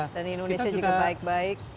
dan indonesia juga baik baik